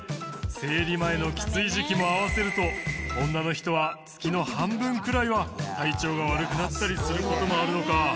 生理前のきつい時期も合わせると女の人は月の半分くらいは体調が悪くなったりする事もあるのか。